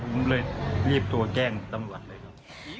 ผมเลยรีบโทรแจ้งตำรวจเลยครับ